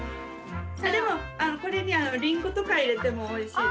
でもこれにリンゴとかいれてもおいしいです。